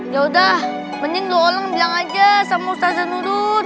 yaudah mending lo oleng bilang aja sama ustazah nurul